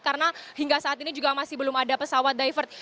karena hingga saat ini juga masih belum ada pesawat divert